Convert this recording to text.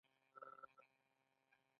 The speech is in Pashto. هغوی یوځای د محبوب چمن له لارې سفر پیل کړ.